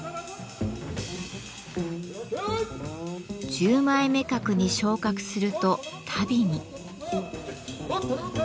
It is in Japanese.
十枚目格に昇格すると足袋に。